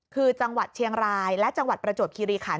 คือจังหวัดเชียงรายและจังหวัดประจวบคิริขัน